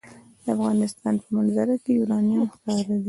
د افغانستان په منظره کې یورانیم ښکاره ده.